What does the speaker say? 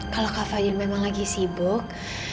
kalau kak fajar memang lagi sibuk